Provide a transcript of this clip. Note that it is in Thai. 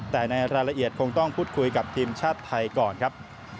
แต่ในรายละเอียดคงต้องพูดคุยกับทีมชาติไทยก่อนครับ